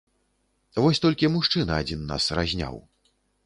Вось толькі мужчына адзін нас разняў.